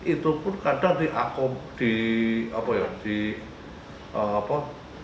itu pun kadang di apa ya di apa